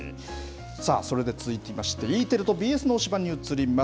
さあ、それで続きまして、ＥテレとＢＳの推しバンに移ります。